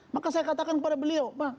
maka saya katakan kepada beliau